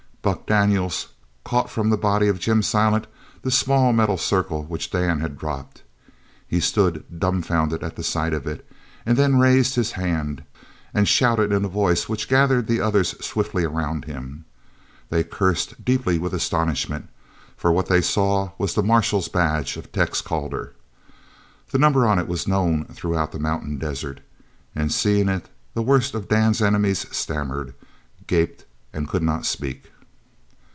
Buck Daniels caught from the body of Jim Silent the small metal circle which Dan had dropped. He stood dumbfounded at the sight of it, and then raised his hand, and shouted in a voice which gathered the others swiftly around him. They cursed deeply with astonishment, for what they saw was the marshal's badge of Tex Calder. The number on it was known throughout the mountain desert, and seeing it, the worst of Dan's enemies stammered, gaped, and could not speak.